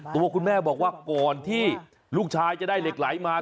ตัวคุณแม่บอกว่าก่อนที่ลูกชายจะได้เหล็กไหลมา